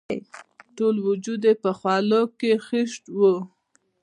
ټول وجود یې په خولو کې خیشت وو.